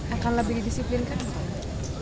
akan lebih didisiplinkan